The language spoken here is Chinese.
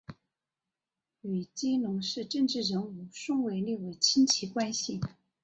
与基隆市政治人物宋玮莉为亲戚关系。